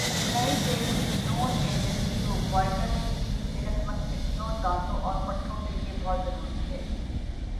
نئی دہلی جون agency vitamin D صحت مند ہڈیوں دانتوں اور پٹھوں کے لئے بہت ضروری ہے